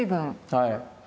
はい。